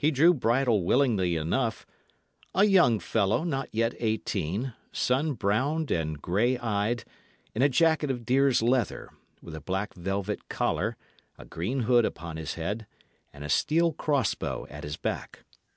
He drew bridle willingly enough a young fellow not yet eighteen, sun browned and grey eyed, in a jacket of deer's leather, with a black velvet collar, a green hood upon his head, and a steel cross bow at his back.